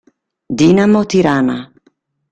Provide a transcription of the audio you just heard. Dinamo Tirana